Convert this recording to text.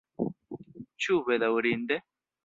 Ĉu bedaŭrinde?